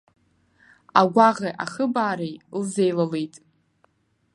Агәаӷи ахыбаареи лзеилалеит.